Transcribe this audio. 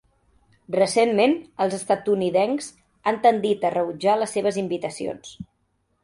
Recentment, els estatunidencs han tendit a rebutjar les seves invitacions.